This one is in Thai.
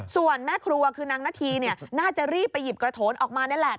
ส่วนแม่ครัวคือนางนาธีน่าจะรีบไปหยิบกระโทนออกมานี่แหละ